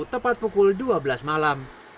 tepat pukul dua belas malam